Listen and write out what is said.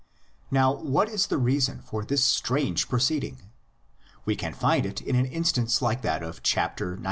Now what is the reason for this strange proceed ing? We can find it in an instance like that of xix.